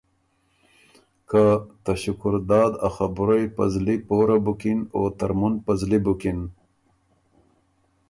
که ”ته شکرداد ا خبُرئ په زلی پوره بُکِن او ترمُن په زلی بُکِن“